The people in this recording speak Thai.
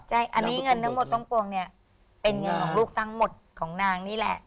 ใช่อันนี้เงินทั้งหมดทั้งปวงเนี่ยเป็นเงินของลูกทั้งหมดของนางนี่แหละ